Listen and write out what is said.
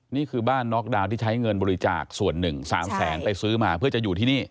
นี่คือบ้านน็อกดาวน์ที่ใช้เงินบริจาคส่วนหนึ่ง๓แสนไปซื้อมาเพื่อจะอยู่ที่นี่